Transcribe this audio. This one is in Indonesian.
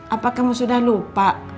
apa kamu sudah lupa